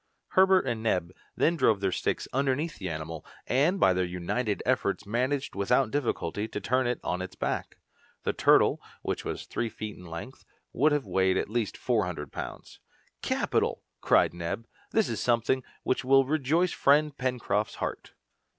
Herbert and Neb then drove their sticks underneath the animal, and by their united efforts managed without difficulty to turn it on its back. The turtle, which was three feet in length, would have weighed at least four hundred pounds. "Capital!" cried Neb; "this is something which will rejoice friend Pencroft's heart."